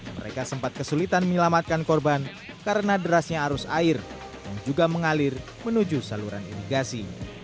mereka sempat kesulitan menyelamatkan korban karena derasnya arus air yang juga mengalir menuju saluran irigasi